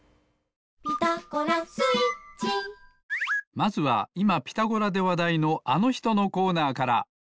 まずはいま「ピタゴラ」でわだいのあのひとのコーナーから。